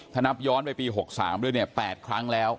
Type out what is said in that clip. ถ้านับย้อนไปปี๖๓เท่านั้นเนี่ย๘ครั้ง